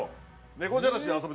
「猫じゃらしで遊ぶネコ」